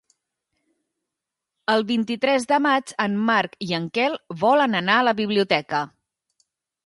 El vint-i-tres de maig en Marc i en Quel volen anar a la biblioteca.